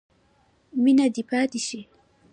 مینه دې پاتې شي.